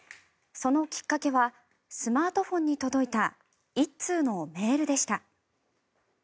そのきっかけはスマートフォンに届いた１通のメールでした。